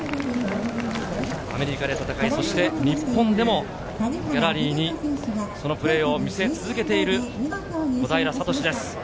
アメリカで戦い、そして日本でもギャラリーにそのプレーを見せ続けている小平智です。